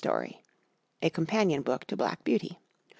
"_ A Companion Story to "Black Beauty."